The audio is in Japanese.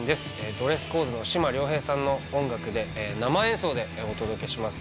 ドレスコーズの志磨遼平さんの音楽で生演奏でお届けします